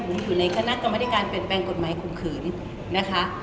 ผมอยู่ในคณะกรรมนิการเป็นแปลงกฎหมายคุมขืนนะคะ